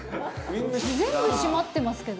全部閉まってますけど。